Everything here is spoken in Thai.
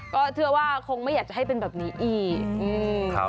ก็เชื่อว่าคงไม่อยากจะให้เป็นแบบนี้อีก